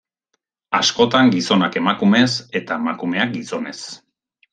Askotan gizonak emakumez eta emakumeak gizonez.